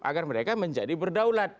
agar mereka menjadi berdaulat